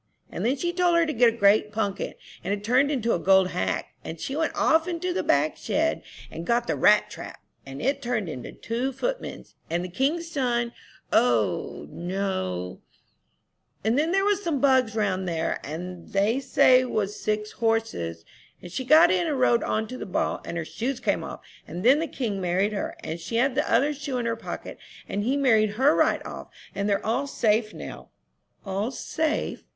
"And then she told her to get a great punkin, and it turned into a gold hack, and she went off into the back shed and got the rat trap, and it turned into two footmens, and the king's son O, no " "And then there was some bugs round there, and they was six horses, and she got in and rode on to the ball, and her shoes come off, and then the king married her, and she had the other shoe in her pocket, and he married her right off, and they're all safe now." "All safe?"